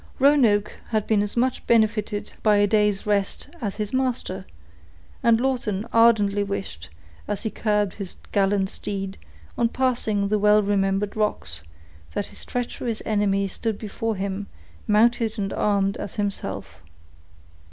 Roanoke had been as much benefited by a few days' rest as his master; and Lawton ardently wished, as he curbed his gallant steed, on passing the well remembered rocks, that his treacherous enemy stood before him, mounted and armed as himself.